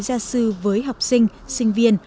gia sư với học sinh sinh viên